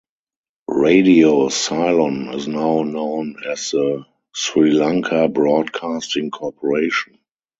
Radio Ceylon is now known as the Sri Lanka Broadcasting Corporation.